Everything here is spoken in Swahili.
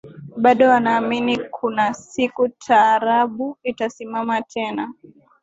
Bado wanaamini kuna siku taarabu itasimama tena